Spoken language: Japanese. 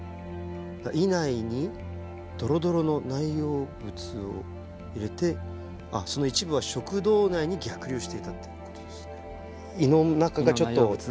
胃内にドロドロの内容物を入れてあっその一部は食道内に逆流していたってことですね。